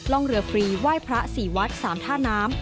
ล่องเรือฟรีไหว้พระสี่วัดสามท่าน้ำ